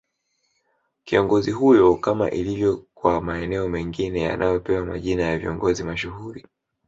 Kiongozi huyo kama ilivyo kwa maeneo mengine yanavyopewa majina ya viongozi mashuhuli